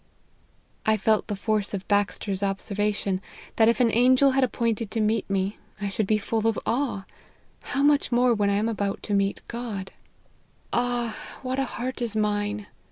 " I felt the force of Baxter's observation, that if an angel had appointed to meet me, I should be full of awe ; how much more when I am about to meet God," c2 30 LIFE OF HENRY MARTYN. " Ah ! what a heart is mine